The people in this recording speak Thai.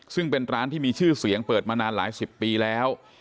ซึ่งเป็นร้านที่มีชื่อเสียงเปิดมานานหลายสิบปีแล้ว